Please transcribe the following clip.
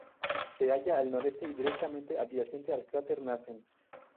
Se halla al noreste y directamente adyacente al cráter Nansen.